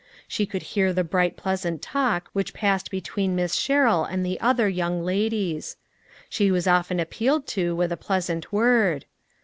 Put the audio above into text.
She could hear the bright pleasant talk which passed between Miss Sher rill and the other young ladies. She was often appealed too with a pleasant word.